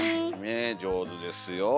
上手ですよ。